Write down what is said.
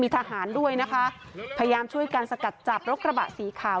ทหารด้วยนะคะพยายามช่วยกันสกัดจับรถกระบะสีขาว